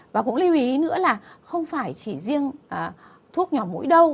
và cũng lưu ý nữa là không phải chỉ riêng thuốc nhỏ mũi đâu